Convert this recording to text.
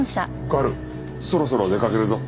小春そろそろ出かけるぞ。